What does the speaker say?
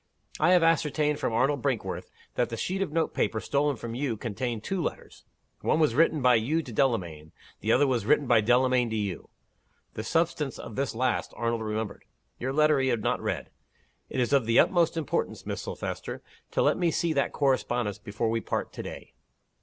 I have ascertained from Arnold Brinkworth that the sheet of note paper stolen from you contained two letters. One was written by you to Delamayn the other was written by Delamayn to you. The substance of this last Arnold remembered. Your letter he had not read. It is of the utmost importance, Miss Silvester, to let me see that correspondence before we part to day."